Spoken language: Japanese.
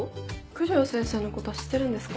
九条先生のこと知ってるんですか？